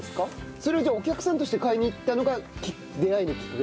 それはじゃあお客さんとして買いに行ったのが出会いのきっかけ。